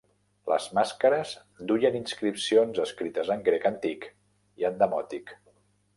Les màscares duien inscripcions escrites en grec antic i en demòtic.